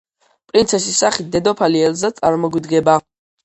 პრინცესის სახით დედოფალი ელზა წარმოგვიდგება.